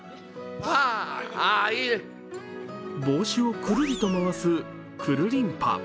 帽子をくるりと回すくるりんぱ。